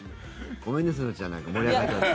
ごめんね、すずちゃんなんか盛り上がっちゃって。